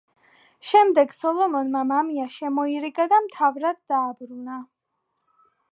შემდეგ სოლომონმა მამია შემოირიგა და მთავრად დააბრუნა.